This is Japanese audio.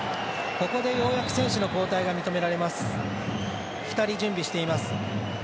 ここでようやく選手の交代を認められます。